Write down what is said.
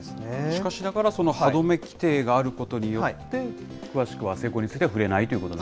しかしながらそのはどめ規定があることによって、詳しくは性交については触れないということ。